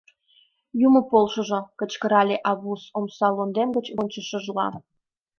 — Юмо полшыжо! — кычкырале Аввус омса лондем гоч вончышыжла.